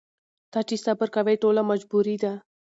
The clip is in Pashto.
ته چي صبر کوې ټوله مجبوري ده